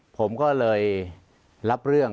ผมก็เลยรับเรื่อง